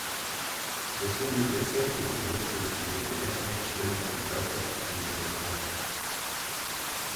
Республика Сербия приветствует ее принятие в члены Организации Объединенных Наций.